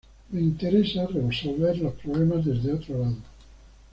Me interesa resolver los problemas desde otro lado.